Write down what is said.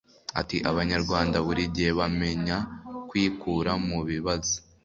Ati “Abanyarwanda buri gihe bamenya kwikura mu bibazo